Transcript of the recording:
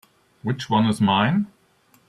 Which one is mine?